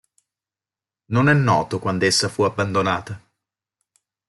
Non è noto quando essa fu abbandonata.